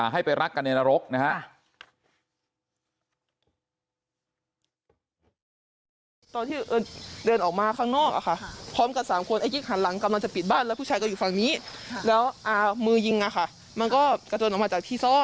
ให้ไปรักกันในนรกนะฮะ